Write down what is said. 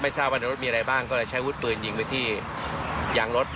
ทราบว่าในรถมีอะไรบ้างก็เลยใช้วุฒิปืนยิงไปที่ยางรถ